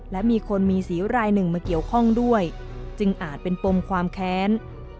และมีคนมีสีวรายหนึ่งมาเกี่ยวข้องด้วยจึงอาจเป็นปมความแค้น